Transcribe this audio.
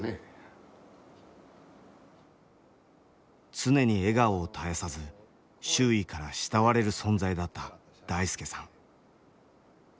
常に笑顔を絶やさず周囲から慕われる存在だった大輔さん。